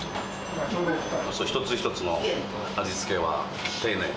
具材一つ一つの味付けは丁寧。